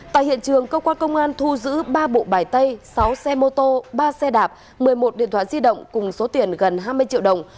tại hiện trường cơ quan công an thu giữ ba bộ bài tay sáu xe mô tô ba xe đạp một mươi một điện thoại di động cùng số tiền gần hai mươi triệu đồng